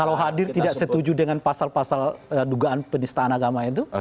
kalau hadir tidak setuju dengan pasal pasal dugaan penistaan agama itu